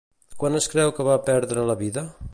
Quan es creu que va perdre la vida?